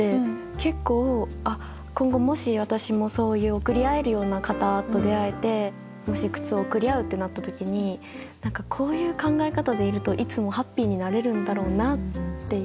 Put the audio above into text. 結構今後もし私もそういう贈り合えるような方と出会えてもし靴を贈り合うってなった時に何かこういう考え方でいるといつもハッピーになれるんだろうなっていう。